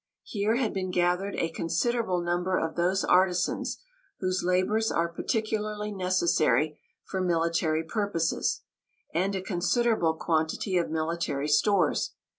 Here had been gathered a considerable number of those artisans, whose labours are particularly necessary for military purposes; and a considerable quantity of military stores.